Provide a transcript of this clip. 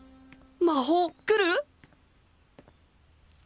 魔法来る！？